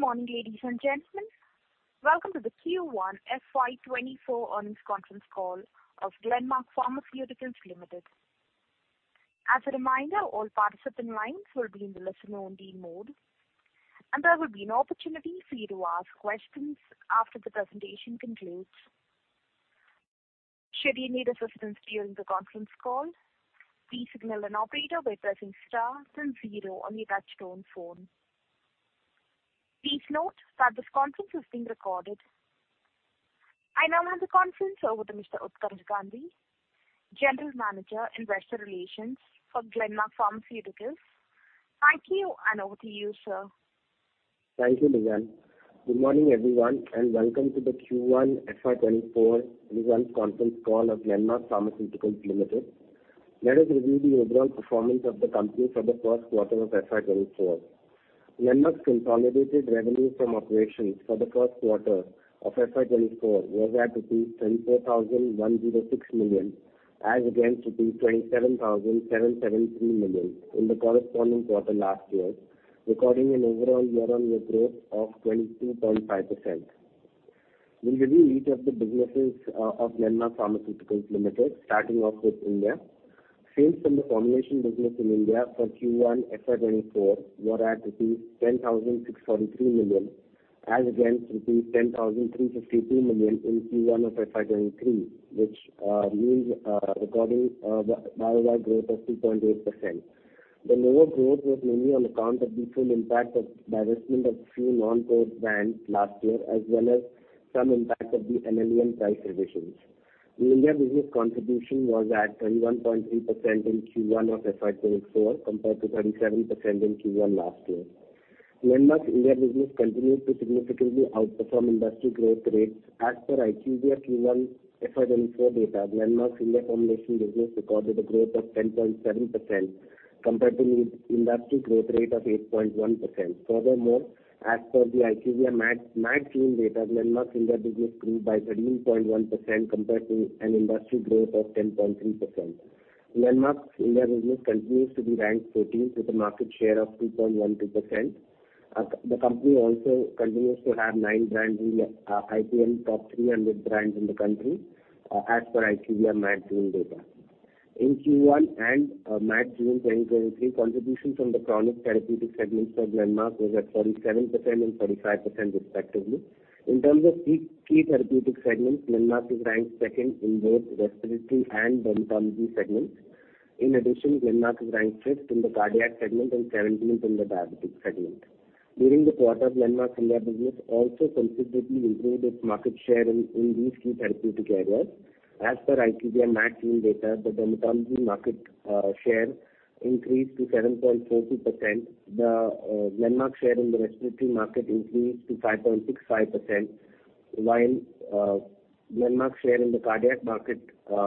Good morning, ladies and gentlemen. Welcome to the Q1 FY24 earnings conference call of Glenmark Pharmaceuticals Limited. As a reminder, all participant lines will be in the listen-only mode, and there will be an opportunity for you to ask questions after the presentation concludes. Should you need assistance during the conference call, please signal an operator by pressing star then zero on your touchtone phone. Please note that this conference is being recorded. I now hand the conference over to Mr. Utkarsh Gandhi, General Manager, Investor Relations for Glenmark Pharmaceuticals. Thank you, and over to you, sir. Thank you, Lillian. Good morning, everyone, and welcome to the Q1 FY24 earnings conference call of Glenmark Pharmaceuticals Limited. Let us review the overall performance of the company for the first quarter of FY24. Glenmark's consolidated revenue from operations for the first quarter of FY24 was at 24,106 million, as against 27,773 million in the corresponding quarter last year, recording an overall year-on-year growth of 22.5%. We'll review each of the businesses of Glenmark Pharmaceuticals Limited, starting off with India. Sales from the formulation business in India for Q1 FY24 were at 10,643 million, as against 10,352 million in Q1 of FY23, which means recording the YOY growth of 2.8%. The lower growth was mainly on account of the full impact of divestment of few non-core brands last year, as well as some impact of the NLEM price revisions. The India business contribution was at 21.3% in Q1 FY24, compared to 37% in Q1 last year. Glenmark's India business continued to significantly outperform industry growth rates. As per IQVIA Q1 FY24 data, Glenmark's India formulation business recorded a growth of 10.7% compared to in-industry growth rate of 8.1%. Furthermore, as per the IQVIA MAT June data, Glenmark's India business grew by 13.1% compared to an industry growth of 10.3%. Glenmark's India business continues to be ranked 14th, with a market share of 2.12%. The company also continues to have nine brands in the IPM top 300 brands in the country, as per IQVIA MAT June data. In Q1, MAT June 2023, contribution from the chronic therapeutic segments for Glenmark was at 37% and 35%, respectively. In terms of key therapeutic segments, Glenmark is ranked second in both respiratory and dermatology segments. In addition, Glenmark is ranked fifth in the cardiac segment and seventeenth in the diabetic segment. During this quarter, Glenmark India business also considerably improved its market share in these key therapeutic areas. As per IQVIA MAT June data, the dermatology market share increased to 7.40%. The Glenmark share in the respiratory market increased to 5.65%, while Glenmark share in the cardiac market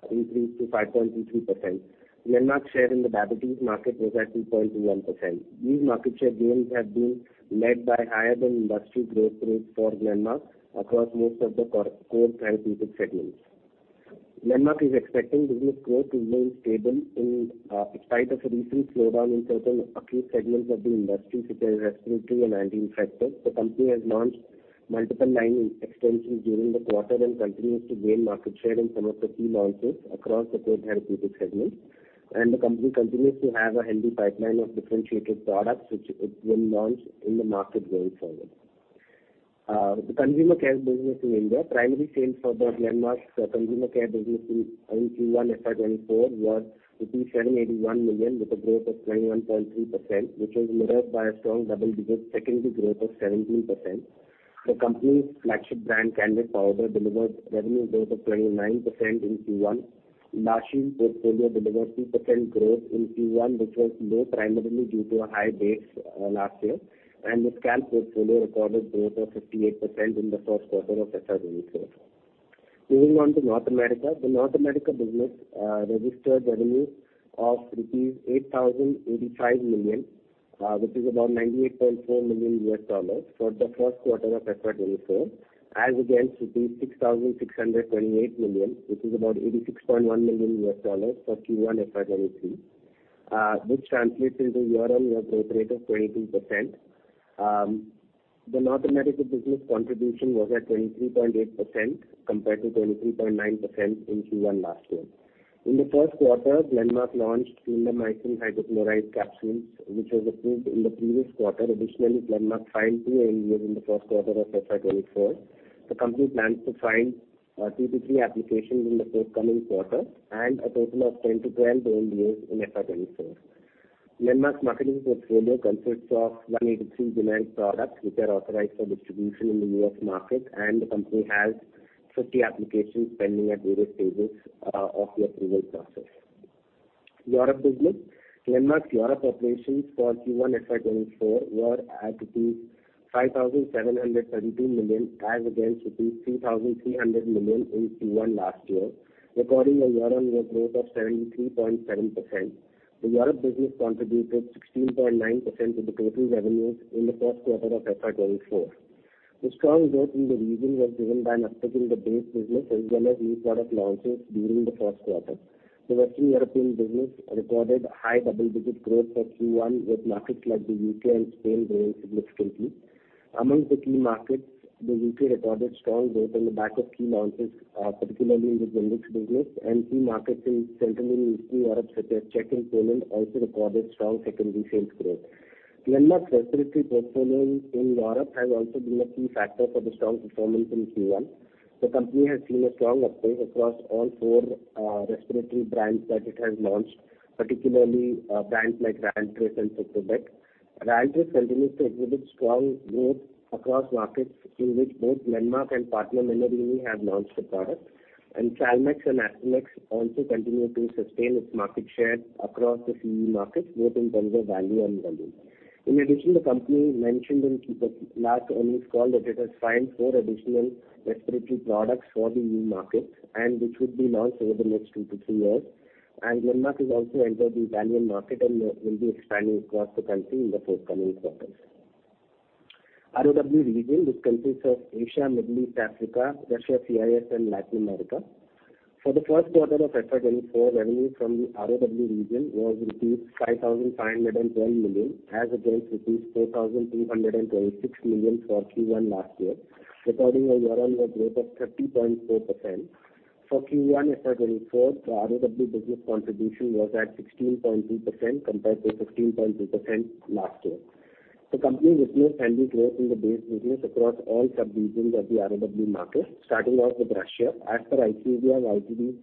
increased to 5.2%. Glenmark's share in the diabetes market was at 2.1%. These market share gains have been led by higher than industry growth rates for Glenmark across most of the core therapeutic segments. Glenmark is expecting business growth to remain stable in spite of a recent slowdown in certain acute segments of the industry, such as respiratory and anti-infectives. The company has launched multiple line extensions during the quarter and continues to gain market share in some of the key launches across the core therapeutic segments. The company continues to have a healthy pipeline of differentiated products, which it will launch in the market going forward. The consumer care business in India, primary sales for the Glenmark's consumer care business in Q1 FY24 was INR 781 million, with a growth of 21.3%, which was mirrored by a strong double-digit secondary growth of 17%. The company's flagship brand, Candid Powder, delivered revenue growth of 29% in Q1. La Shield portfolio delivered 2% growth in Q1, which was low primarily due to a high base last year, and the Scalpe portfolio recorded growth of 58% in the first quarter of FY24. Moving on to North America. The North America business registered revenue of rupees 8,085 million, which is about $98.4 million, for Q1 FY24, as against 6,628 million, which is about $86.1 million, for Q1 FY23, which translates into a year-on-year growth rate of 22%. The North America business contribution was at 23.8%, compared to 23.9% in Q1 last year. In Q1, Glenmark launched Clindamycin Hydrochloride Capsules, which was approved in the previous quarter. Additionally, Glenmark filed 2 ANDAs in Q1 FY24. The company plans to file 2-3 applications in the forthcoming quarter and a total of 10-12 ANDAs in FY24. Glenmark's marketing portfolio consists of 183 generic products, which are authorized for distribution in the US market, and the company has 50 applications pending at various stages of the approval process. Europe business. Glenmark's Europe operations for Q1 FY24 were at 5,732 million, as against 2,300 million in Q1 last year, recording a year-on-year growth of 73.7%. The Europe business contributed 16.9% to the total revenues in the first quarter of FY24. The strong growth in the region was driven by an uptick in the base business as well as new product launches during the first quarter. The Western European business recorded high double-digit growth for Q1, with markets like the UK and Spain growing significantly. Among the key markets, the U.K. recorded strong growth on the back of key launches, particularly in the Gx business, and key markets in Central and Eastern Europe, such as Czech and Poland, also recorded strong secondary sales growth. Glenmark's respiratory portfolio in Europe has also been a key factor for the strong performance in Q1. The company has seen a strong uptake across all 4, respiratory brands that it has launched, particularly, brands like Ryaltris and CytoTec. Ryaltris continues to exhibit strong growth across markets in which both Glenmark and partner Menarini have launched the product, and Salmex and Asmalex also continue to sustain its market share across a few markets, both in terms of value and volume. In addition, the company mentioned in the last earnings call that it has signed four additional respiratory products for the new markets, and which would be launched over the next 2-3 years. Glenmark has also entered the Italian market and will be expanding across the country in the forthcoming quarters. ROW region, which consists of Asia, Middle East, Africa, Russia, CIS and Latin America. For the first quarter of FY24, revenue from the ROW region was rupees 5,510 million, as against rupees 4,326 million for Q1 last year, recording a year-on-year growth of 30.4%. For Q1 FY24, the ROW business contribution was at 16.2%, compared to 15.2% last year. The company witnessed healthy growth in the base business across all sub-regions of the ROW market, starting off with Russia. As per IQVIA YTD,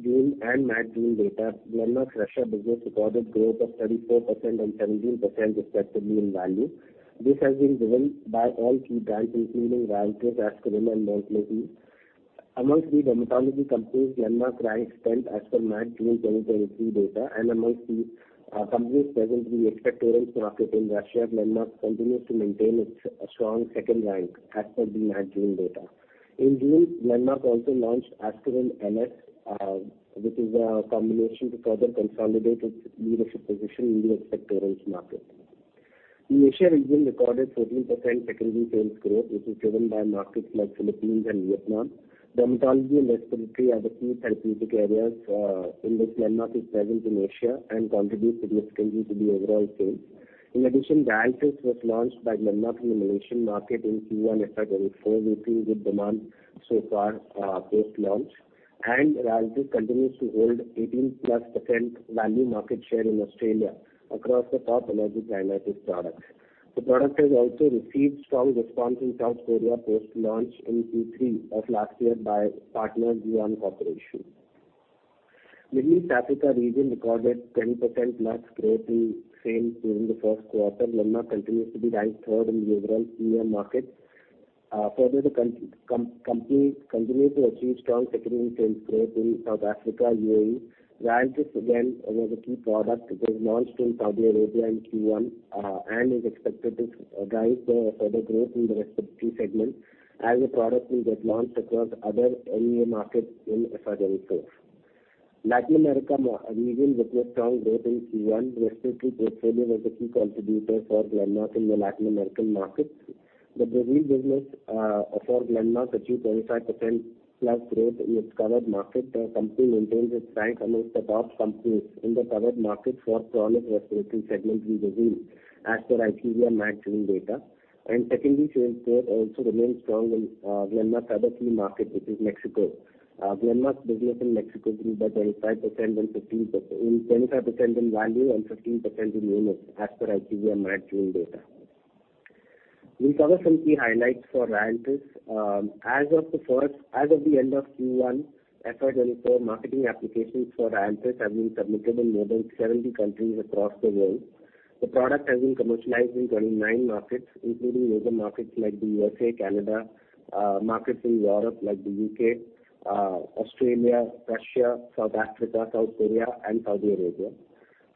June and MAT June data, Glenmark's Russia business recorded growth of 34% and 17% respectively in value. This has been driven by all key brands, including Ryaltris, Ascoril, and Montelukast. Amongst the dermatology companies, Glenmark ranks tenth as per MAT June 2023 data, and amongst the companies present in the expectorants market in Russia, Glenmark continues to maintain its strong second rank as per the MAT June data. In June, Glenmark also launched Ascoril NS, which is a combination to further consolidate its leadership position in the expectorants market. The Asia region recorded 14% secondary sales growth, which was driven by markets like Philippines and Vietnam. Dermatology and respiratory are the key therapeutic areas in which Glenmark is present in Asia and contribute significantly to the overall sales. In addition, Ryaltris was launched by Glenmark in the Malaysian market in Q1 FY24, meeting with demand so far post-launch. Ryaltris continues to hold 18%+ value market share in Australia across the top allergic rhinitis products. The product has also received strong response in South Korea post-launch in Q3 of last year by partner Zion Corporation. Middle East, Africa region recorded 10%+ growth in sales during the first quarter. Glenmark continues to be ranked third in the overall EMEA market. Further, the company continues to achieve strong secondary sales growth in South Africa, UAE. Ryaltris again was a key product. It was launched in Saudi Arabia in Q1 and is expected to drive further growth in the respiratory segment, as the product will get launched across other EMEA markets in FY24. Latin America region recorded strong growth in Q1. Respiratory portfolio was a key contributor for Glenmark in the Latin American markets. The Brazil business for Glenmark achieved 25%+ growth in its covered market. The company maintains its rank amongst the top companies in the covered market for chronic respiratory segment in Brazil, as per IQVIA MAT June data. Secondary sales there also remain strong in Glenmark's other key market, which is Mexico. Glenmark's business in Mexico grew by 25% in value and 15% in units, as per IQVIA MAT June data. We'll cover some key highlights for Ryaltris. As of the end of Q1 FY24, marketing applications for Ryaltris have been submitted in more than 70 countries across the world. The product has been commercialized in 29 markets, including major markets like the U.S., Canada, markets in Europe, like the U.K., Australia, Russia, South Africa, South Korea, and Saudi Arabia.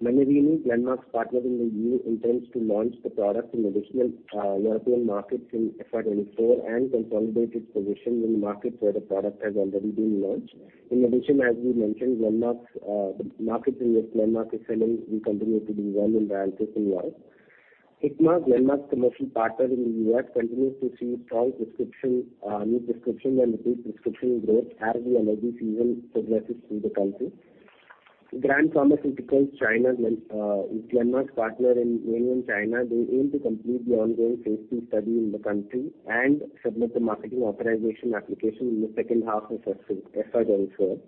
Menarini, Glenmark's partner in the EU, intends to launch the product in additional European markets in FY24 and consolidate its position in the markets where the product has already been launched. In addition, as we mentioned, Glenmark's, the markets in which Glenmark is selling, we continue to be one in Ryaltris in Europe. Hikma, Glenmark's commercial partner in the U.S., continues to see strong prescription, new prescription and repeat prescription growth as the allergy season progresses through the country. Grand Pharmaceutical, China's Glenmark's partner in mainland China, they aim to complete the ongoing Phase III study in the country and submit the marketing authorization application in the second half of FY24.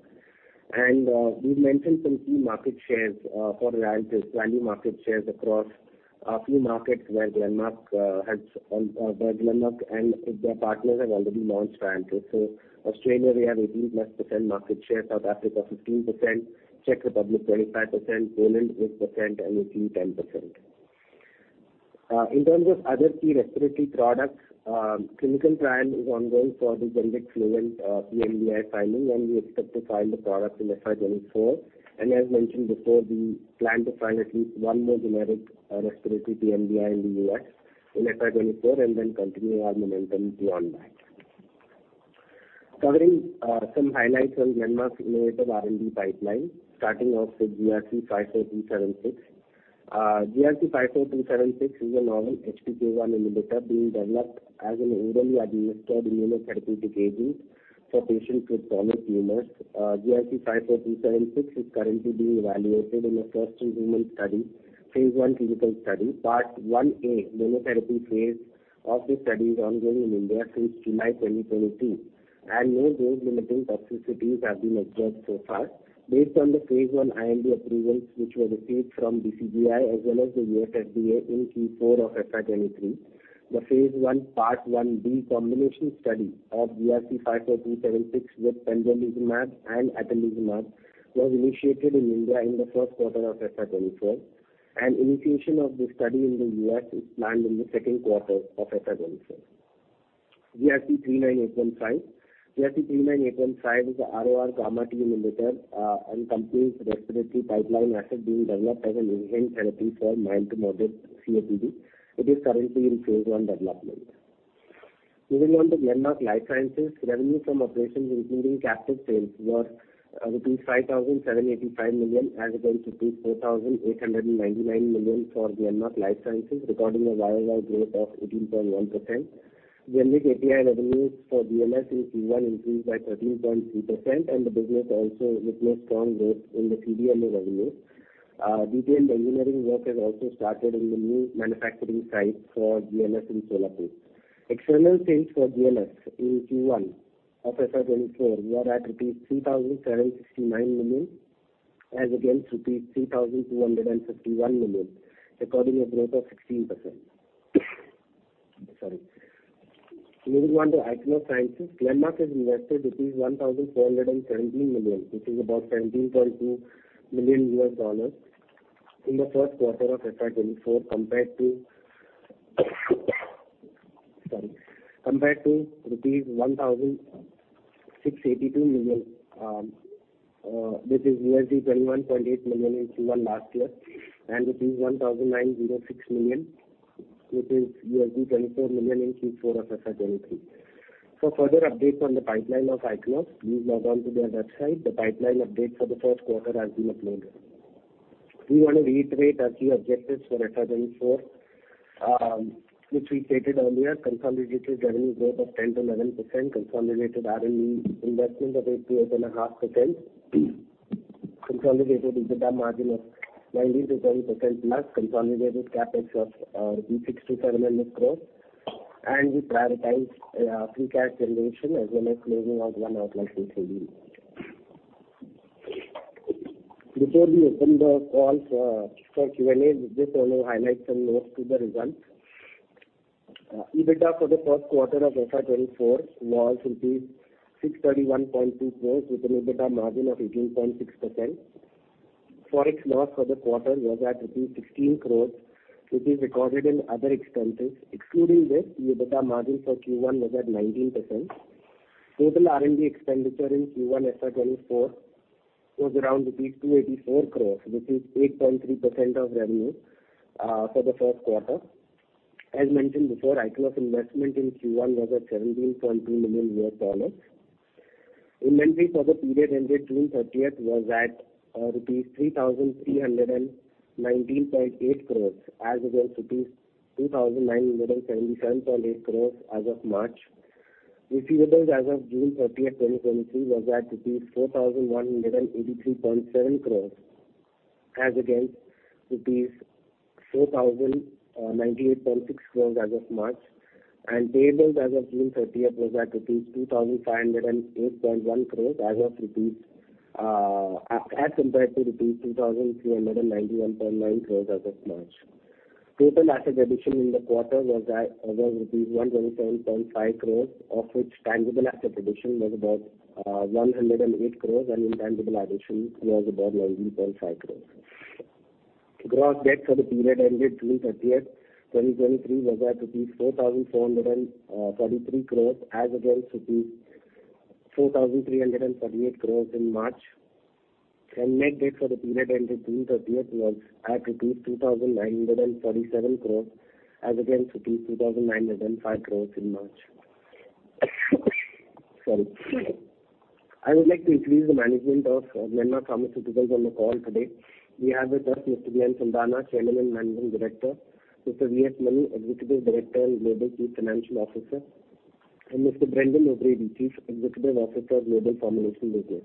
We've mentioned some key market shares for Ryaltris, value market shares across a few markets where Glenmark and their partners have already launched Ryaltris. Australia, we have 18+% market share; South Africa, 15%; Czech Republic, 25%; Poland, 8%; and Italy, 10%. In terms of other key respiratory products, clinical trial is ongoing for the Flovent pMDI filing, and we expect to file the product in FY24. As mentioned before, we plan to file at least one more generic respiratory pMDI in the US in FY24, and then continue our momentum beyond that. Covering some highlights on Glenmark's innovative R&D pipeline, starting off with GRC 54276. GRC 54276 is a novel HPK1 inhibitor being developed as an orally administered immunotherapy agent for patients with solid tumors. GRC 54276 is currently being evaluated in a first-in-human study, phase 1 clinical study. Part 1A monotherapy phase of this study is ongoing in India since July 2023, and no dose-limiting toxicities have been observed so far. Based on the phase 1 IND approvals, which were received from DCGI as well as the U.S. FDA in Q4 FY23, the phase 1, Part 1B combination study of GRC 54276 with pembrolizumab and atezolizumab was initiated in India in the first quarter of FY24, and initiation of the study in the U.S. is planned in the second quarter of FY24. GRC 39815. GRC 39815 is a RORgammaT inhibitor, and company's respiratory pipeline asset being developed as an inhaled therapy for mild to moderate COPD. It is currently in phase 1 development. Moving on to Glenmark Life Sciences, revenue from operations, including captive sales, were rupees 5,785 million, as against rupees 4,899 million for Glenmark Life Sciences, recording a YOY growth of 18.1%. Generic API revenues for GLS in Q1 increased by 13.3%, and the business also witnessed strong growth in the CDMO revenues. Detailed engineering work has also started in the new manufacturing site for GLS in Solapur. External sales for GLS in Q1 of FY24 were at 3,769 million, as against 3,251 million, recording a growth of 16%. Sorry. Moving on to Ichnos Sciences, Glenmark has invested 1,417 million, which is about $17.2 million, in the first quarter of FY24, compared to, sorry, compared to rupees 1,682 million, which is $21.8 million in Q1 last year, and rupees 1,906 million, which is $24 million in Q4 of FY23. For further updates on the pipeline of Ichnos, please log on to their website. The pipeline update for the first quarter has been uploaded. We want to reiterate our key objectives for FY24, which we stated earlier: consolidated revenue growth of 10%-11%, consolidated R&D investment of 8%-8.5%, consolidated EBITDA margin of 19%-20%+, consolidated CapEx of 600-700 crore, and we prioritize free cash generation as well as closing of 1 or 2 CDMO. Before we open the call for Q&A, just want to highlight some notes to the results. EBITDA for the first quarter of FY24 was rupees 631.2 crore, with an EBITDA margin of 18.6%. Forex loss for the quarter was at rupees 16 crore, which is recorded in other expenses. Excluding this, EBITDA margin for Q1 was at 19%. Total R&D expenditure in Q1 FY24 was around rupees 284 crore, which is 8.3% of revenue for the first quarter. As mentioned before, Ichnos investment in Q1 was at $17.2 million. Inventory for the period ended June 30th was at rupees 3,319.8 crore, as against rupees 2,977.8 crore as of March. Receivables as of June 30th, 2023, was at rupees 4,183.7 crore, as against rupees 4,098.6 crore as of March. Payables as of June thirtieth was at 2,508.1 crore, as of rupees, as compared to 2,391.9 crore as of March. Total asset addition in the quarter was at 127.5 crore, of which tangible asset addition was about, 108 crore and intangible addition was about 90.5 crore. Gross debt for the period ended June thirtieth, 2023, was at rupees 4,433 crore, as against rupees 4,338 crore in March. Net debt for the period ended June thirtieth was at rupees 2,947 crore, as against rupees 2,905 crore in March. Sorry. I would like to introduce the management of Glenmark Pharmaceuticals on the call today. We have with us Mr. Glenn Saldanha, Chairman and Managing Director; Mr. V.S. Mani, Executive Director and Global Chief Financial Officer; and Mr. Brendan O'Grady, the Chief Executive Officer of Global Formulation Business.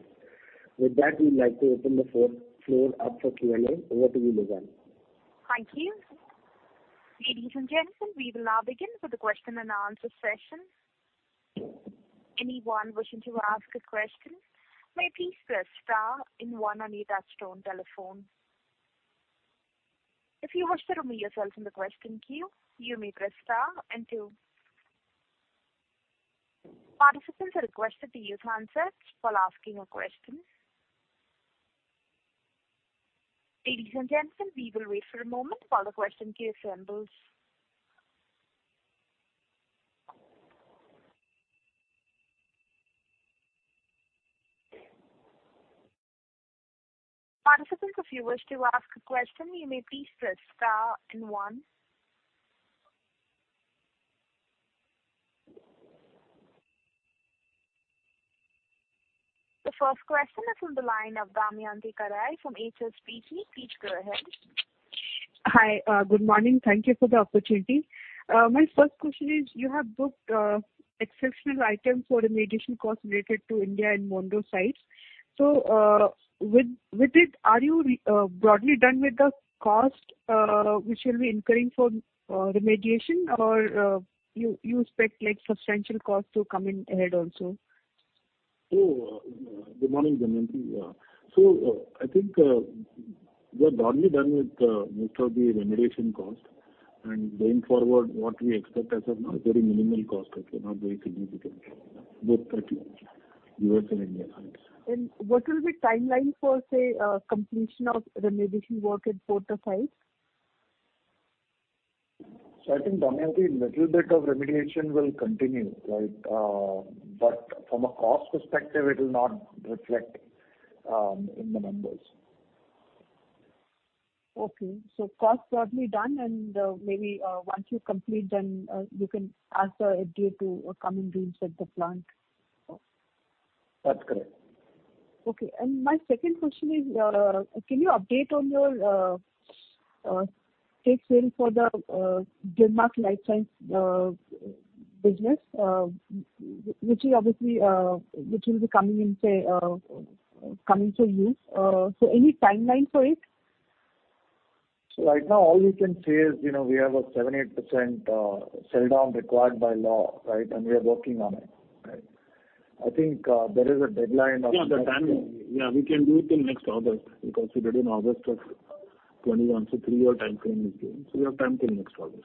With that, we'd like to open the floor up for Q&A. Over to you, Lizanne. Thank you. Ladies and gentlemen, we will now begin with the question-and-answer session. Anyone wishing to ask a question, may please press star and 1 on your touchtone telephone. If you wish to remove yourself from the question queue, you may press star and 2. Participants are requested to use handsets while asking a question. Ladies and gentlemen, we will wait for a moment while the question queue assembles.... Participant, if you wish to ask a question, you may please press star and 1. The first question is from the line of Damayanti Kerai from HSBC Securities. Please go ahead. Hi, good morning. Thank you for the opportunity. My first question is, you have booked exceptional items for the remediation costs related to India and Monroe sites. With it, are you broadly done with the cost which you'll be incurring for remediation or you expect substantial costs to come in ahead also? Good morning, Damayanti. I think, we are broadly done with most of the remediation cost. Going forward, what we expect as of now, is very minimal cost, actually, not very significant. Both, US and India sites. What will be timeline for, say, completion of remediation work in both the sites? I think, Damayanti, little bit of remediation will continue, right? But from a cost perspective, it will not reflect in the numbers. Okay. cost broadly done, and, maybe, once you complete, then, you can ask the FDA to come and re-inspect the plant. That's correct. Okay. My second question is, can you update on your take sale for the Glenmark Life Sciences business, which is obviously, which will be coming in, coming to you? Any timeline for it? Right now, all we can say is, you know, we have a 78% sell-down required by law, right? We are working on it, right. I think, there is a deadline of- Yeah, the timeline. Yeah, we can do it in next August, because we did in August of 2021, so three-year timeframe is there. We have time till next August.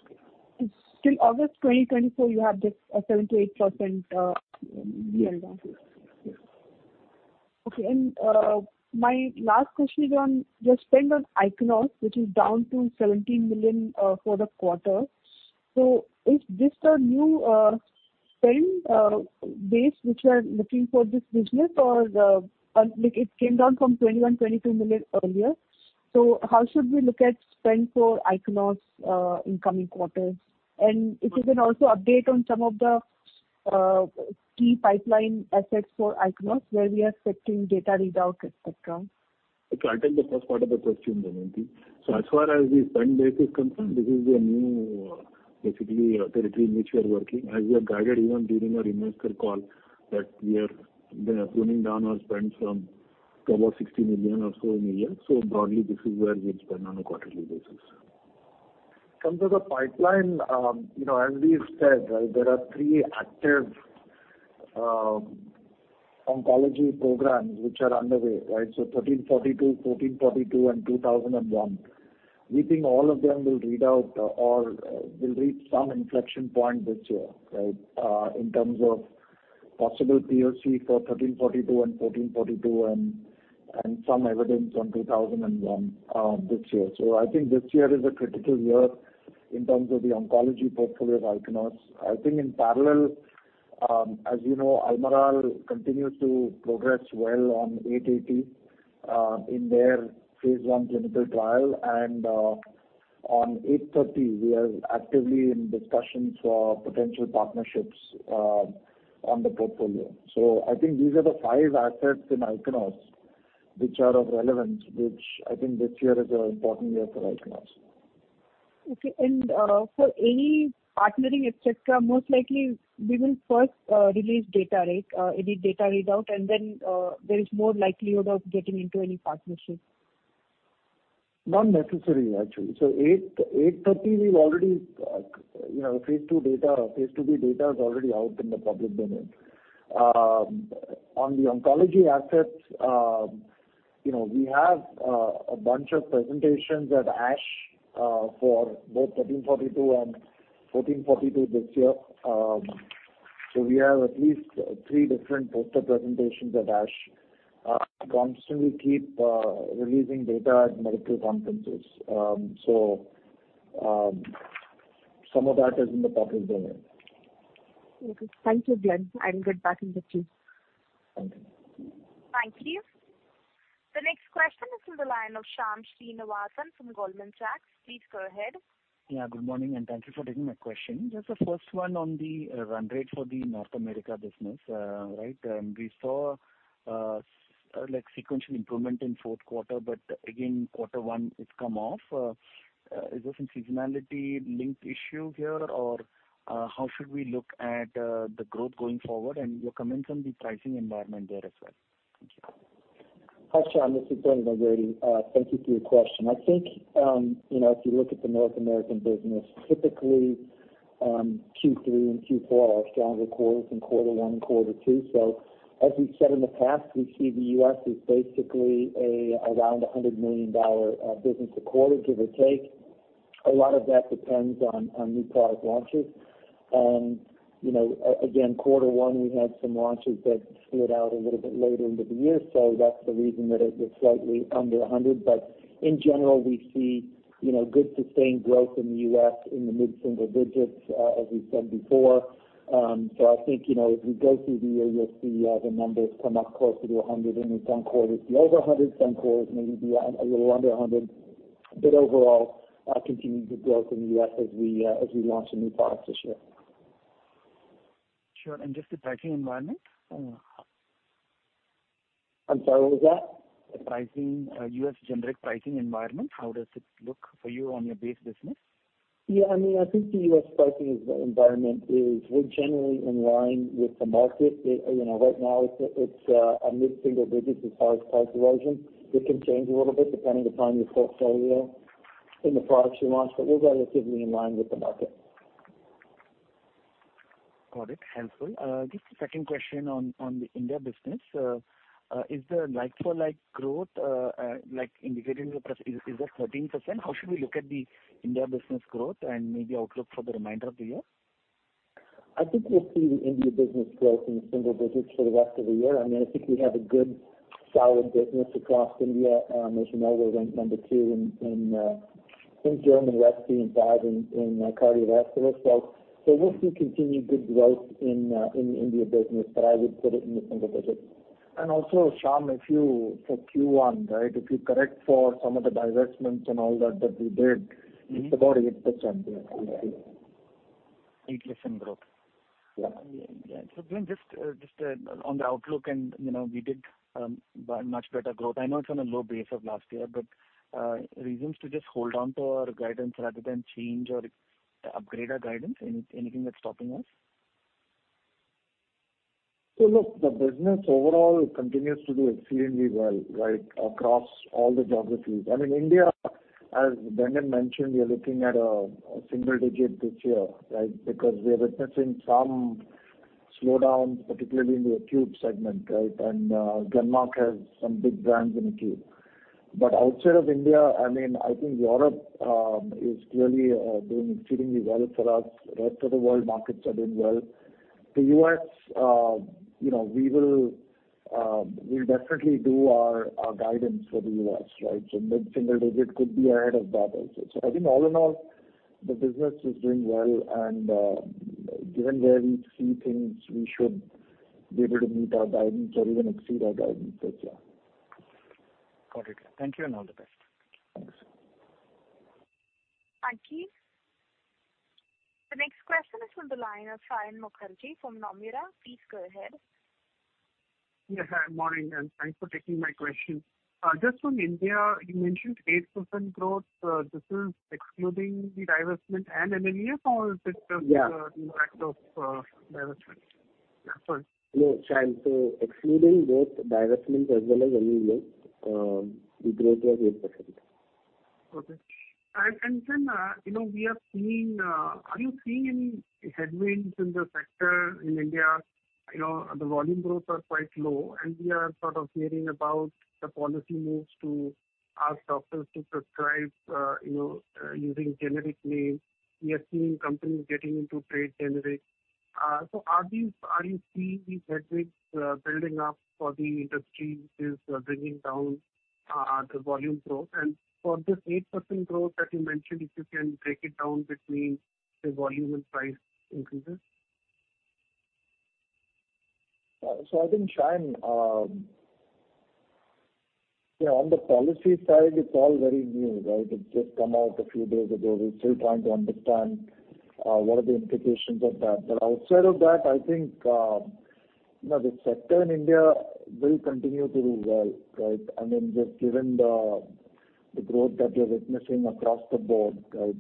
Till August 2024, you have this, 78% sell-down. Yes. Okay. My last question is on your spend on Ichnos, which is down to $17 million for the quarter. Is this a new spend base which you are looking for this business or, like, it came down from $21 million-$22 million earlier? How should we look at spend for Ichnos in coming quarters? And if you can also update on some of the key pipeline assets for Ichnos, where we are expecting data readout, et cetera? Okay, I'll take the first part of the question, Damayanti. As far as the spend base is concerned, this is a new, basically a territory in which we are working. As we have guided even during our investor call, that we are pruning down our spend from to about $60 million or so in a year. Broadly, this is where we will spend on a quarterly basis. Come to the pipeline, you know, as we said, right, there are 3 active oncology programs which are underway, right? ISB 1342, ISB 1442, and ISB 2001. We think all of them will read out or will reach some inflection point this year, right, in terms of possible POC for ISB 1342 and ISB 1442, and, and some evidence on ISB 2001, this year. I think this year is a critical year in terms of the oncology portfolio of Ichnos Sciences. I think in parallel, as you know, Almirall continues to progress well on ISB 880 in their phase I clinical trial. On ISB 830, we are actively in discussions for potential partnerships on the portfolio. I think these are the five assets in Ichnos, which are of relevance, which I think this year is an important year for Ichnos. Okay. For any partnering, et cetera, most likely we will first, release data, right? Any data readout, and then, there is more likelihood of getting into any partnerships. Not necessary, actually. ISB 830, we've already, you know, phase II data or phase IIb data is already out in the public domain. On the oncology assets, you know, we have a bunch of presentations at ASH, for both ISB 1342 and ISB 1442 this year. We have at least 3 different poster presentations at ASH. We constantly keep releasing data at medical conferences. Some of that is in the public domain. Okay. Thank you, Glenn. I will get back in the queue. Thank you. Thank you. The next question is from the line of Shyam Srinivasan from Goldman Sachs. Please go ahead. Yeah, good morning, and thank you for taking my question. Just the first one on the run rate for the North America business, right? We saw, like, sequential improvement in fourth quarter, but again, quarter one, it's come off. Is this a seasonality-linked issue here? Or, how should we look at the growth going forward? Your comments on the pricing environment there as well. Thank you. Hi, Shyam, this is Brendan. thank you for your question. I think, you know, if you look at the North American business, typically, Q3 and Q4 are stronger quarters than quarter one and quarter two. As we've said in the past, we see the U.S. is basically around a $100 million business a quarter, give or take. A lot of that depends on, on new product launches. you know, again, quarter one, we had some launches that slid out a little bit later into the year, so that's the reason that it was slightly under 100. In general, we see, you know, good sustained growth in the U.S. in the mid-single digits, as we've said before. I think, you know, as we go through the year, you'll see, the numbers come up closer to 100, and in some quarters be over 100, some quarters maybe be, a little under 100. Overall, continued good growth in the U.S. as we, as we launch some new products this year. Sure. Just the pricing environment? I'm sorry, what was that? The pricing, US generic pricing environment, how does it look for you on your base business? Yeah, I mean, I think the U.S. pricing is, environment is, we're generally in line with the market. You, you know, right now, it's, it's a mid-single digits as far as price erosion. It can change a little bit depending upon your portfolio and the products you launch, but we're relatively in line with the market. Got it. Helpful. Just a second question on, on the India business. Is the like-for-like growth, like indicated in the press, is, is that 13%? How should we look at the India business growth and maybe outlook for the remainder of the year? I think we'll see the India business growth in the single digits for the rest of the year. I mean, I think we have a good, solid business across India. As you know, we're ranked 2 in, in respiratory, and 5 in, in cardiovascular. We'll see continued good growth in the India business, but I would put it in the single digits. Also, Shyam, if you, for Q1, right, if you correct for some of the divestments and all that, that we did. Mm-hmm. it's about 8% growth. 8% growth? Yeah. Yeah. Glenn, just, just, on the outlook, and, you know, we did by much better growth. I know it's on a low base of last year, but, reasons to just hold on to our guidance rather than change or upgrade our guidance, anything that's stopping us? Look, the business overall continues to do exceedingly well, right, across all the geographies. I mean, India, as Brendan mentioned, we are looking at a single-digit this year. Because we are witnessing some slowdown, particularly in the acute segment. Glenmark has some big brands in acute. Outside of India, I mean, I think Europe is clearly doing exceedingly well for us, right. The world markets are doing well. The US, you know, we will, we'll definitely do our guidance for the US. Mid-single-digit could be ahead of that also. I think all in all, the business is doing well, and given where we see things, we should be able to meet our guidance or even exceed our guidance this year. Got it. Thank you, and all the best. Thanks. Thank you. The next question is from the line of Saion Mukherjee from Nomura. Please go ahead. Yeah, hi, morning. Thanks for taking my question. Just on India, you mentioned 8% growth. This is excluding the divestment and M&As, or is it just- Yeah The impact of divestment? Yeah, sorry. No, Saion, excluding both divestment as well as M&A, the growth was 8%. And then, you know, we are seeing. Are you seeing any headwinds in the sector in India? You know, the volume growth are quite low, and we are sort of hearing about the policy moves to ask doctors to prescribe, you know, using generic names. We are seeing companies getting into trade generics. Are you seeing these headwinds building up for the industry, which is bringing down the volume growth? For this 8% growth that you mentioned, if you can break it down between the volume and price increases. So I think, Saion, you know, on the policy side, it's all very new, right? It's just come out a few days ago. We're still trying to understand what are the implications of that. Outside of that, I think, you know, the sector in India will continue to do well, right? I mean, just given the, the growth that we're witnessing across the board,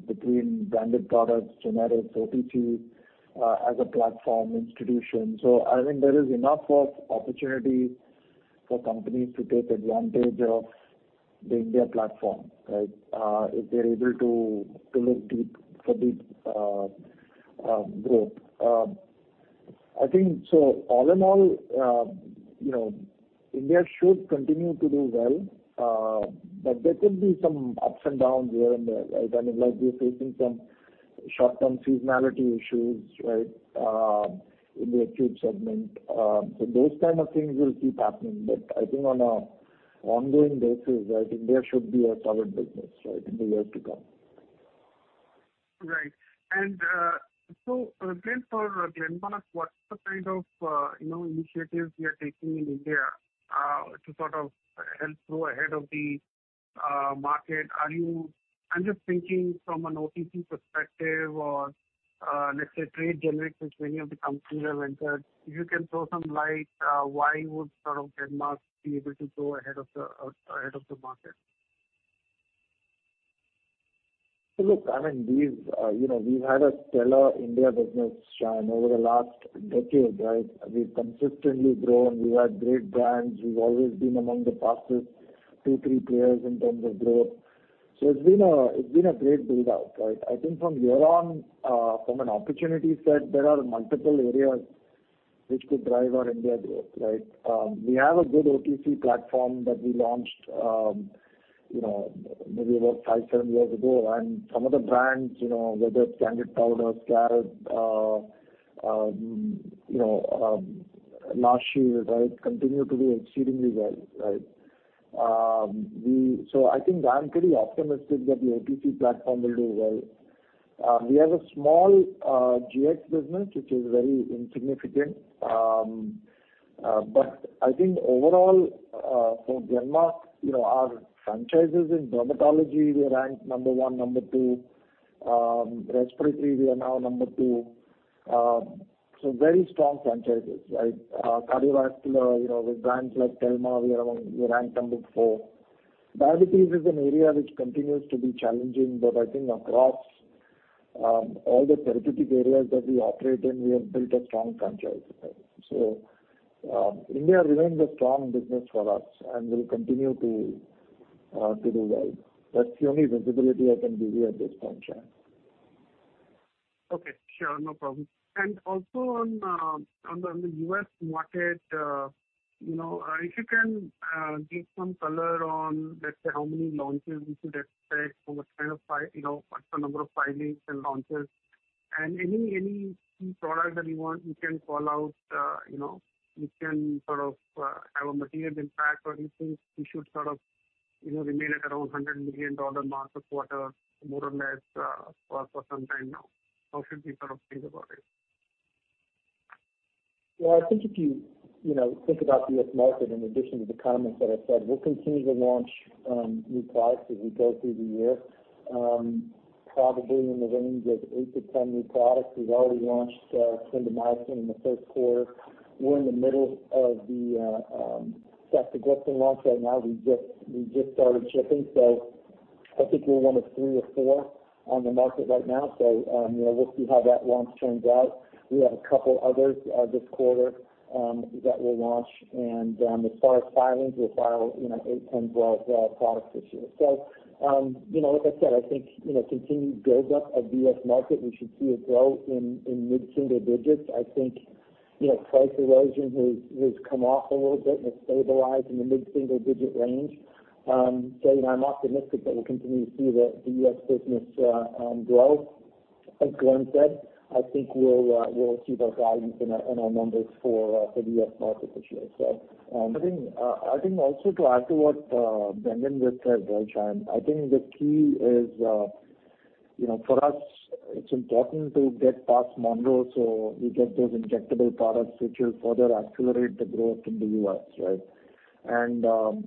between branded products, generics, OTC, as a platform institution. I think there is enough of opportunity for companies to take advantage of the India platform, right? If they're able to, to look deep for the growth. I think so all in all, you know, India should continue to do well, but there could be some ups and downs here and there, right? I mean, like we are facing some short-term seasonality issues, right, in the acute segment. Those kind of things will keep happening, but I think on a ongoing basis, right, India should be a solid business, right, in the years to come. Right. Glenn, for Glenmark, what's the kind of, you know, initiatives you are taking in India, to sort of help grow ahead of the market? I'm just thinking from an OTC perspective or, let's say, trade generics, which many of the companies have entered. If you can throw some light, why would sort of Glenmark be able to grow ahead of the ahead of the market? Look, I mean, we've, you know, we've had a stellar India business, Saion, over the last decade, right? We've consistently grown. We've had great brands. We've always been among the fastest 2, 3 players in terms of growth. It's been a, it's been a great build out, right? I think from here on, from an opportunity set, there are multiple areas which could drive our India growth, right? We have a good OTC platform that we launched, you know, maybe about 5, 7 years ago. And some of the brands, you know, whether it's Candid Powder, Scalpe, La Shield, right, continue to do exceedingly well, right? We-- I think I'm pretty optimistic that the OTC platform will do well. We have a small Gx business, which is very insignificant. I think overall, for Glenmark, you know, our franchises in dermatology, we rank number one, number two. Respiratory, we are now number two. Very strong franchises, right? Cardiovascular, you know, with brands like Telma, we are among, we rank number four. Diabetes is an area which continues to be challenging, but I think across all the therapeutic areas that we operate in, we have built a strong franchise. India remains a strong business for us, and will continue to do well. That's the only visibility I can give you at this point, Saion. Okay, sure. No problem. Also on, on the, the US market, you know, if you can, give some color on, let's say, how many launches we should expect, or what kind of you know, what's the number of filings and launches? Any, any key product that you want, you can call out, you know, which can sort of, have a material impact, or you think we should sort of, you know, remain at around $100 million mark of quarter, more or less, for, for some time now. How should we sort of think about it? Well, I think if you, you know, think about the U.S. market, in addition to the comments that I said, we'll continue to launch new products as we go through the year. Probably in the range of 8-10 new products. We've already launched clindamycin in the first quarter. We're in the middle of the ceftriaxone launch right now. We've just, we've just started shipping, so I think we're 1 of 3 or 4 on the market right now. You know, we'll see how that launch turns out. We have a couple others this quarter that we'll launch. As far as filings, we'll file, you know, 8, 10 products this year. You know, like I said, I think, you know, continued build-up of the U.S. market, we should see a growth in, in mid-single digits. I think, you know, price erosion has, has come off a little bit and has stabilized in the mid-single-digit range. So, you know, I'm optimistic that we'll continue to see the US business grow. As Glenn said, I think we'll see those values in our, in our numbers for the US market this year. I think, I think also to add to what Brendan just said, Saion, I think the key is, you know, for us, it's important to get past Monroe, so we get those injectable products, which will further accelerate the growth in the U.S., right?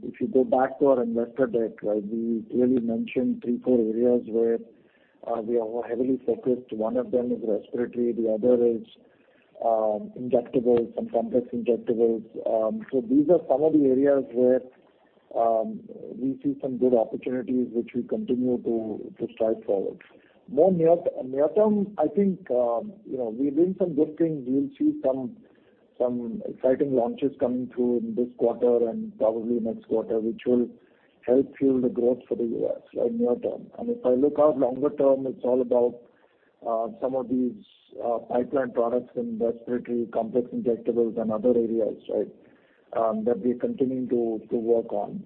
If you go back to our investor deck, right, we clearly mentioned three, four areas where we are heavily focused. One of them is respiratory, the other is injectables and complex injectables. So these are some of the areas where we see some good opportunities, which we continue to, to strive forward. More near, near term, I think, you know, we're doing some good things. We'll see some, some exciting launches coming through in this quarter and probably next quarter, which will help fuel the growth for the U.S. in near term. If I look out longer term, it's all about some of these pipeline products in respiratory, complex injectables and other areas, right, that we're continuing to work on.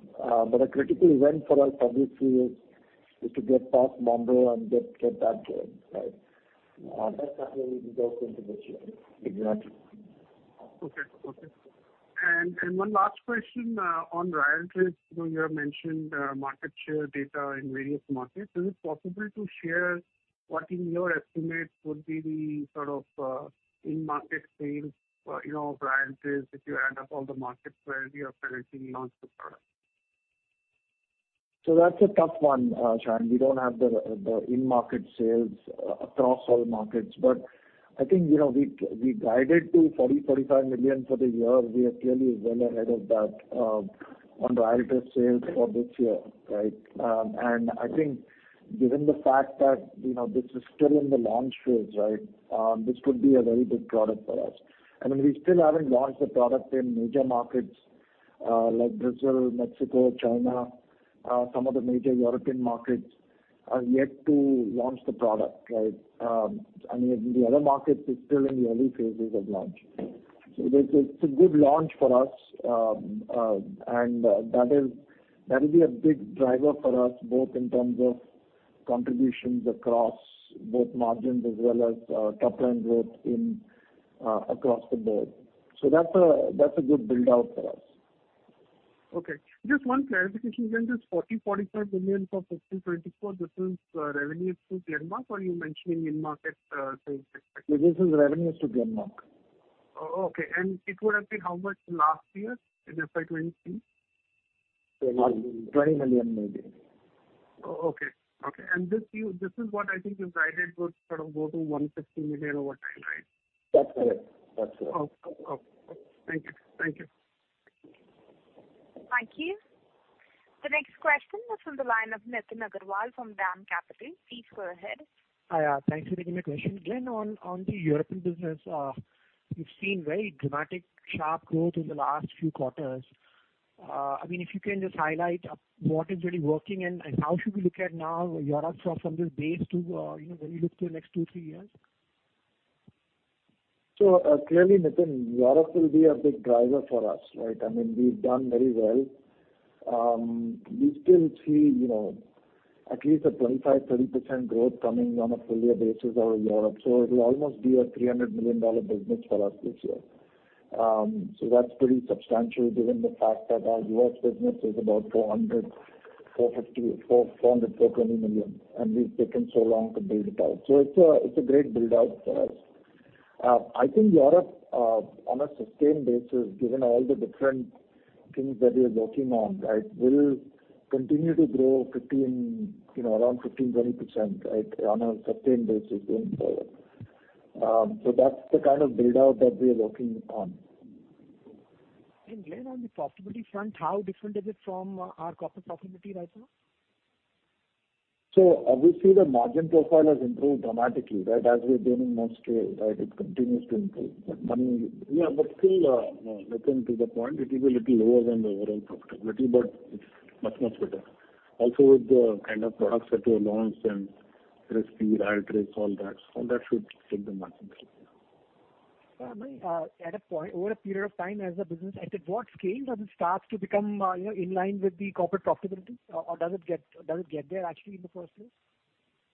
A critical event for us obviously is to get past Monroe and get that going, right? That's how we go into this year. Exactly. Okay. Okay. one last question on Ryaltris. You know, you have mentioned market share data in various markets. Is it possible to share what in your estimate would be the sort of in-market sales, you know, Ryaltris, if you add up all the markets where you have currently launched the product? That's a tough one, Saion. We don't have the, the, the in-market sales across all markets. I think, you know, we, we guided to $40 million-$45 million for the year. We are clearly well ahead of that on Ryaltris sales for this year, right? I think given the fact that, you know, this is still in the launch phase, right, this could be a very big product for us. I mean, we still haven't launched the product in major markets, like Brazil, Mexico, China. Some of the major European markets are yet to launch the product, right? In the other markets, it's still in the early phases of launch. It's a, it's a good launch for us. That will be a big driver for us, both in terms of contributions across both margins as well as, top line growth in, across the board. That's a, that's a good build-out for us. Okay, just one clarification, Glenn. This $40 million-$45 million for FY24, this is revenues to Glenmark, or you're mentioning in-market sales expected? This is revenues to Glenmark. Oh, okay. It would have been how much last year, in FY22? INR 20 million, maybe. Oh, okay. Okay, this year, this is what I think you've guided would sort of go to $150 million over time, right? That's correct. That's correct. Okay. Okay. Thank you. Thank you. Thank you. The next question is from the line of Nitin Agarwal from DAM Capital. Please go ahead. Hi. Thanks for taking my question. Glenn, on, on the European business, we've seen very dramatic sharp growth in the last few quarters. I mean, if you can just highlight what is really working, and how should we look at now Europe from, from this base to, you know, when you look to the next two, three years? Clearly, Nitin, Europe will be a big driver for us, right? I mean, we've done very well. We still see, you know, at least a 25%-30% growth coming on a full year basis out of Europe, so it'll almost be a $300 million business for us this year. That's pretty substantial, given the fact that our U.S. business is about $400 million, $450 million, $420 million, and we've taken so long to build it out. It's a, it's a great build out for us. I think Europe, on a sustained basis, given all the different things that we are working on, right, will continue to grow 15%, you know, around 15%-20%, right, on a sustained basis going forward. That's the kind of build out that we are working on. Then on the profitability front, how different is it from, our corporate profitability right now? Obviously, the margin profile has improved dramatically, right? As we're gaining more scale, right, it continues to improve. Mani. Yeah, but still, you know, nothing to the point. It is a little lower than the overall profitability, but it's much, much better. Also, with the kind of products that we have launched and Ryaltris, all that, all that should take the margin. At a point, over a period of time, as the business, at what scale does it start to become, you know, in line with the corporate profitability? Does it get there actually in the first place?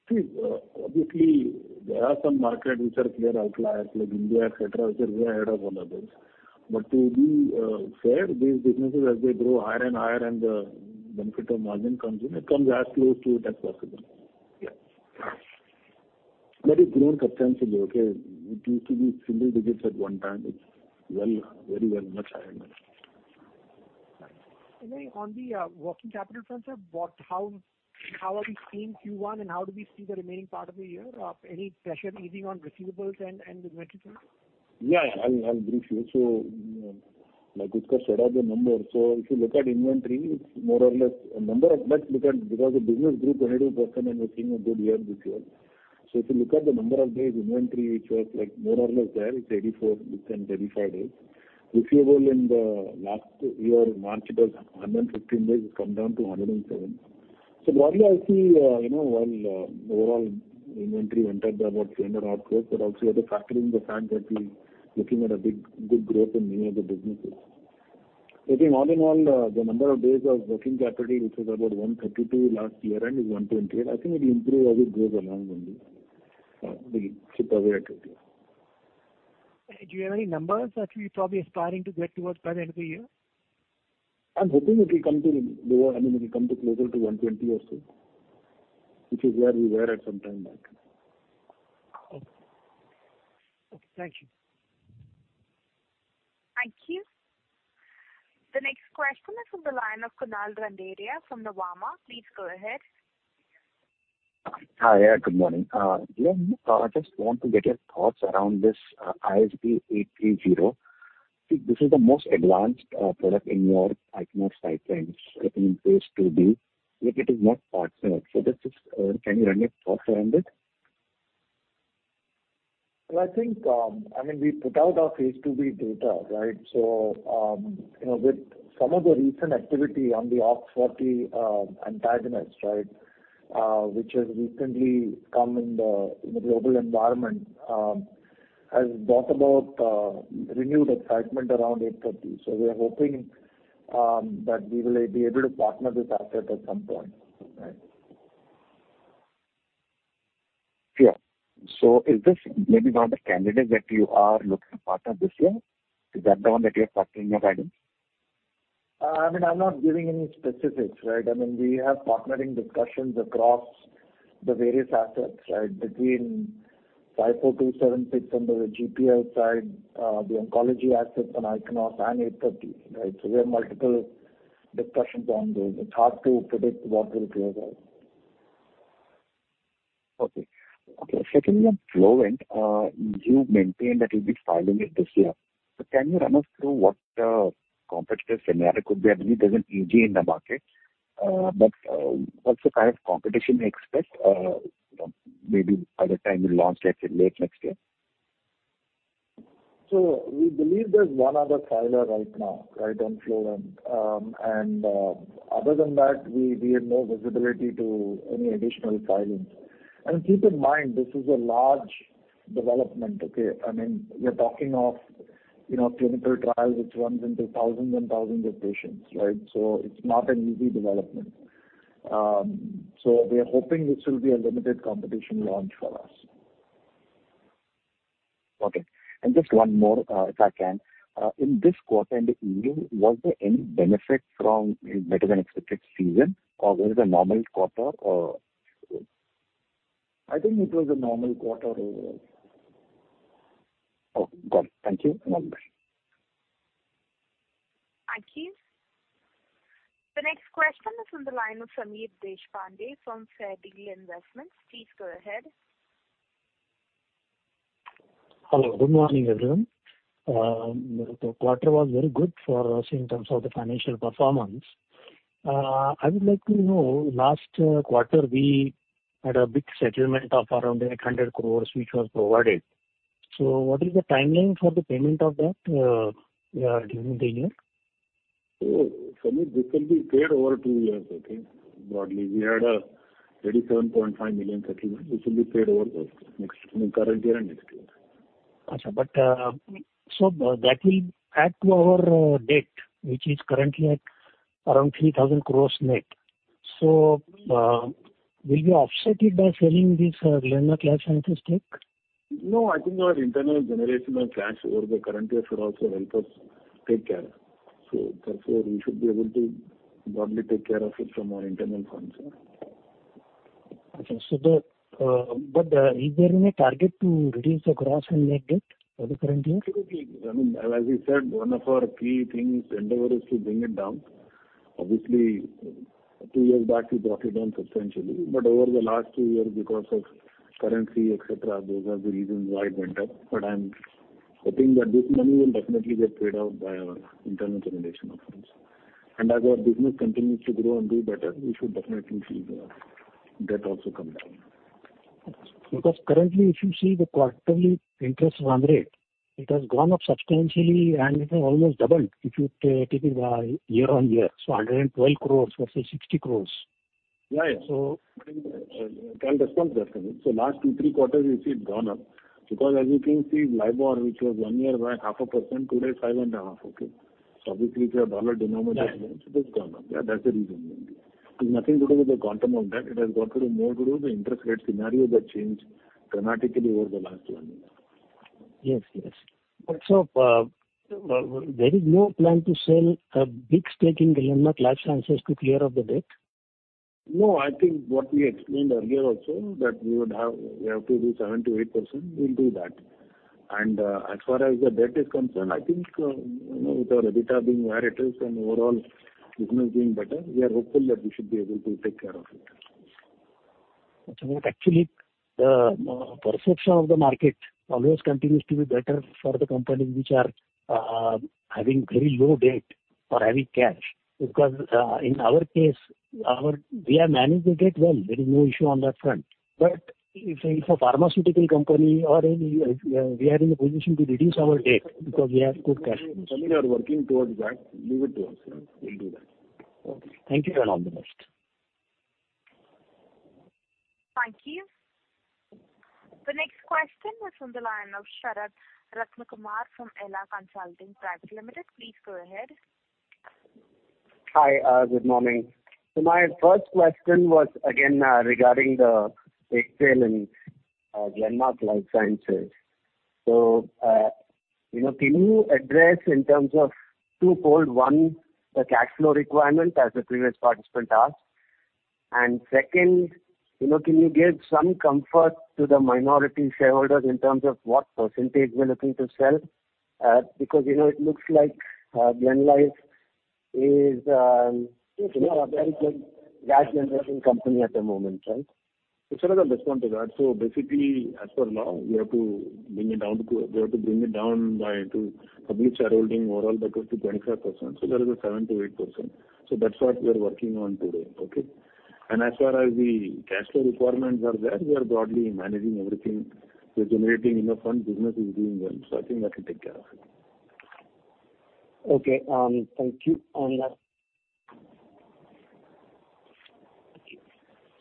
See, obviously, there are some markets which are clear outliers, like India, et cetera, which are way ahead of all others. To be fair, these businesses, as they grow higher and higher and the benefit of margin comes in, it comes as close to it as possible. Yes. It's grown substantially, okay? It used to be single digits at one time. It's well, very well, much higher than that. Then on the working capital front, sir, what, how, how are we seeing Q1, and how do we see the remaining part of the year? Any pressure easing on receivables and, and inventory? Yeah, I'll, I'll brief you. like discussed, what are the numbers? If you look at inventory, it's more or less a number of... because, because the business grew 20%, and we're seeing a good year this year. If you look at the number of days, inventory, which was, like, more or less there, it's 84, between 85 days. Receivable in the last year, March, it was 115 days, it's come down to 107. broadly, I see, you know, while, overall inventory went up by about 10%-12%, also you have to factor in the fact that we're looking at a big, good growth in many of the businesses. I think all in all, the number of days of working capital, which was about 132 last year, and is 120, I think it improved as it goes along, only, the ship activity. Do you have any numbers that you're probably aspiring to get towards by the end of the year? I'm hoping it will come to lower, I mean, it will come to closer to 120 or so, which is where we were at some time back. Okay. Okay, thank you. Thank you. The next question is from the line of Kunal Randeria from Nuvama. Please go ahead. Hi, yeah, good morning. I just want to get your thoughts around this ISB 830. This is the most advanced product in your Ichnos pipeline, phase 2b, yet it is not partnered. This is, can you run it partner-ended? I think, I mean, we put out our phase 2b data, right? You know, with some of the recent activity on the OX40 antagonists, right, which has recently come in the, in the global environment, has brought about renewed excitement around ISB 830. We are hoping that we will be able to partner this asset at some point. Yeah. Is this maybe one of the candidates that you are looking to partner this year? Is that the one that you're partnering your items? I mean, I'm not giving any specifics, right? I mean, we have partnering discussions across the various assets, right? Between GRC 54276, under the GPL side, the oncology assets and Ichnos and ISB 830, right? We have multiple discussions on this. It's hard to predict what will clear out. Okay. Okay, secondly, on Flovent, you maintained that you'll be filing it this year. Can you run us through what the competitive scenario could be? I believe there's an AG in the market, but what's the kind of competition you expect, you know, maybe by the time you launch it in late next year? We believe there's 1 other filer right now, right, on Flovent. Other than that, we, we have no visibility to any additional filings. Keep in mind, this is a large development, okay? I mean, we're talking of, you know, clinical trials, which runs into thousands and thousands of patients, right? It's not an easy development. We are hoping this will be a limited competition launch for us. Okay. Just one more, if I can. In this quarter ending, was there any benefit from a better-than-expected season, or was it a normal quarter, or? I think it was a normal quarter overall. Okay, got it. Thank you. Bye-bye. Thank you. The next question is from the line of Sameer Deshpande from Fairdeal Investments. Please go ahead. Hello, good morning, everyone. The quarter was very good for us in terms of the financial performance. I would like to know, last quarter, we had a big settlement of around 800 crore, which was provided. What is the timeline for the payment of that, during the year? Sameer, this will be paid over two years, I think. Broadly, we had a $37.5 million settlement. This will be paid over the next, current year and next year. That will add to our debt, which is currently at around 3,000 crore net. Will you offset it by selling this Glenmark Life Sciences stake? I think our internal generation of cash over the current year should also help us take care. Therefore, we should be able to broadly take care of it from our internal funds, sir. Is there any target to reduce the gross and net debt for the current year? Absolutely. I mean, as we said, one of our key things, endeavor, is to bring it down. Obviously, two years back, we brought it down substantially, but over the last two years, because of currency, et cetera, those are the reasons why it went up. I'm hoping that this money will definitely get paid off by our internal generation of funds. As our business continues to grow and do better, we should definitely see the debt also come down. Currently, if you see the quarterly interest on rate, it has gone up substantially and it has almost doubled, if you take it by year-on-year, so 112 crore versus 60 crore. Right. Can respond to that. Last 2-3 quarters, you see it's gone up, because as you can see, LIBOR, which was one year by 0.5%, today is 5.5, okay? Obviously, if you have USD denominated, it has gone up. Yeah, that's the reason. It's nothing to do with the quantum of that. It has got to do more to do with the interest rate scenario that changed dramatically over the last one year. Yes, yes. There is no plan to sell a big stake in Glenmark Life Sciences to clear off the debt? No, I think what we explained earlier also, that we would have-- we have to do 7%-8%, we'll do that. As far as the debt is concerned, I think, you know, with our EBITDA being where it is and overall business being better, we are hopeful that we should be able to take care of it. Actually, the perception of the market always continues to be better for the companies which are having very low debt or having cash. In our case, we have managed the debt well. There is no issue on that front. If a pharmaceutical company or any, we are in a position to reduce our debt because we have good cash. We are working towards that. Leave it to us. We'll do that. Okay. Thank you, and all the best. Thank you. The next question is from the line of Sarath Ratnakumar from Eila Consulting Private Limited. Please go ahead. Hi, good morning. My first question was again regarding the big sale in Glenmark Life Sciences. You know, can you address in terms of twofold, 1, the cash flow requirement, as the previous participant asked, and 2, you know, can you give some comfort to the minority shareholders in terms of what percentage we're looking to sell? Because, you know, it looks like Glenlife is, you know, a very good cash generation company at the moment, right? Sarath, I'll respond to that. Basically, as for now, we have to bring it down to, we have to bring it down by to public shareholding overall, that is to 25%. That is a 7%-8%. That's what we are working on today, okay? As far as the cash flow requirements are there, we are broadly managing everything. We're generating enough funds, business is doing well, so I think that will take care of it. Okay, thank you.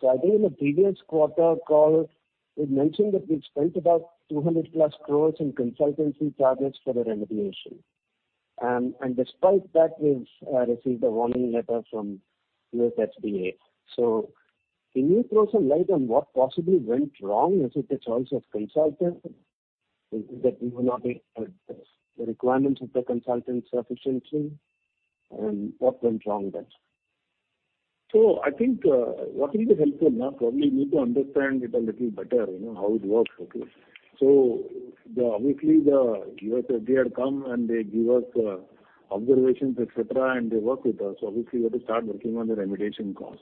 I think in the previous quarter call, we've mentioned that we've spent about 200+ crore in consultancy charges for the remediation. Despite that, we've received a warning letter from USFDA. Can you throw some light on what possibly went wrong? Is it the choice of consultant, that we were not able to meet the requirements of the consultant sufficiently? What went wrong there? I think, what will be helpful now, probably you need to understand it a little better, you know, how it works, okay? Obviously, the USFDA had come, and they give us observations, et cetera, and they work with us. Obviously, we have to start working on the remediation cost.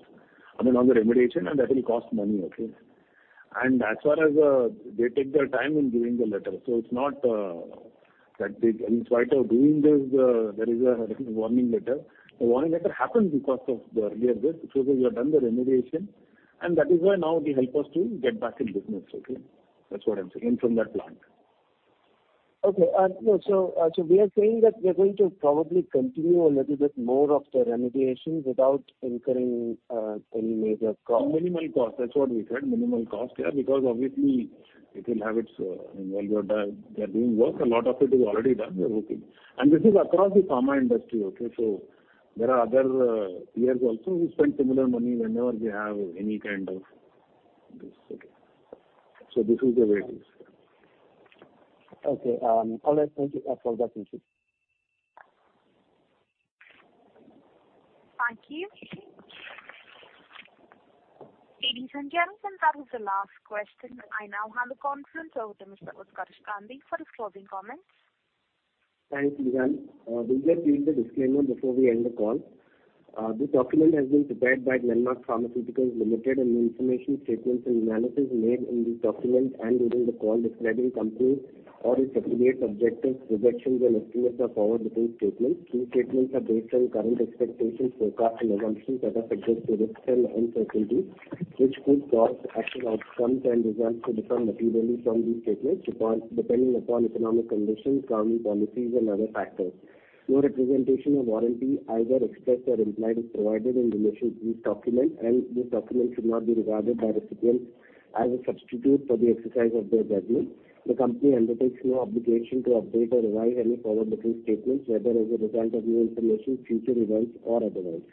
I mean, on the remediation, and that will cost money, okay? As far as, they take their time in giving the letter. It's not that they, in spite of doing this, there is a warning letter. The warning letter happens because of the earlier this, which is we have done the remediation, and that is why now they help us to get back in business, okay? That's what I'm saying, in from that plant. No, so we are saying that we are going to probably continue a little bit more of the remediation without incurring, any major cost. Minimal cost, that's what we said, minimal cost, yeah. Because obviously, it will have its, while we are done, they are doing work, a lot of it is already done, we are hoping. This is across the pharma industry, okay? There are other, peers also who spend similar money whenever they have any kind of this, okay? This is the way it is. Okay, all right. Thank you for that input. Thank you. Ladies and gentlemen, that was the last question. I now hand the conference over to Mr. Utkarsh Gandhi for his closing comments. Thanks, Leanne. We just read the disclaimer before we end the call. This document has been prepared by Glenmark Pharmaceuticals Limited, the information, statements, and analyses made in this document and during the call describing company or its affiliates, objectives, projections, and estimates are forward-looking statements. These statements are based on current expectations, forecasts, and assumptions that are subject to risks and uncertainties, which could cause actual outcomes and results to differ materially from these statements, depending upon economic conditions, government policies, and other factors. No representation or warranty, either expressed or implied, is provided in relation to this document, this document should not be regarded by recipients as a substitute for the exercise of their judgment. The company undertakes no obligation to update or revise any forward-looking statements, whether as a result of new information, future events, or otherwise.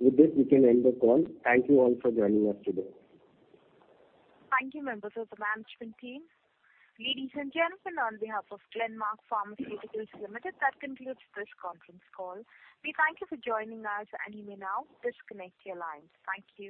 With this, we can end the call. Thank you all for joining us today. Thank you, members of the management team. Ladies and gentlemen, on behalf of Glenmark Pharmaceuticals Limited, that concludes this conference call. We thank you for joining us, and you may now disconnect your lines. Thank you.